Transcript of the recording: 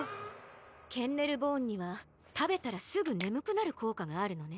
ケンネルボーンにはたべたらすぐねむくなるこうかがあるのね。